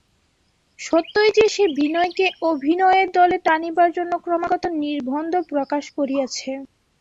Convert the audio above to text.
সত্যই যে সে বিনয়কে অভিনয়ের দলে টানিবার জন্য ক্রমাগত নির্বন্ধ প্রকাশ করিয়াছে।